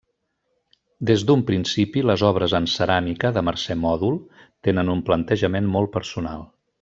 Des d’un principi les obres en ceràmica de Mercè Mòdol tenen un plantejament molt personal.